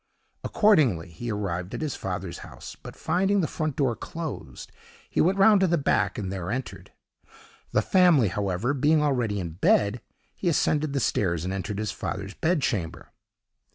Accordingly he arrived at his father's house, but, finding the front door closed, he went round to the back and there entered. The family, however, being already in bed, he ascended the stairs and entered his father's bed chamber.